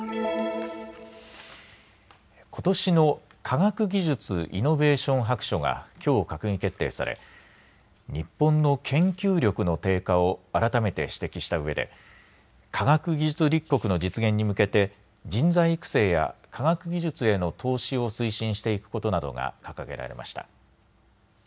ことしの科学技術・イノベーション白書がきょう閣議決定され、日本の研究力の低下を改めて指摘したうえで科学技術立国の実現に向けて人材育成や科学技術への投資を推進していくことなどが掲げられました。